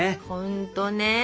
ほんとね。